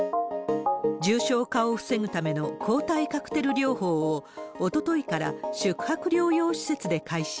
重症化を防ぐための抗体カクテル療法を、おとといから宿泊療養施設で開始。